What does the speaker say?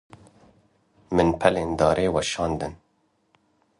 Min pelên darê weşandin.